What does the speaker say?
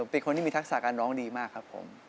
เป็นคนที่มีทักษะการร้องดีมากครับผม